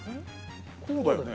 こうだよね？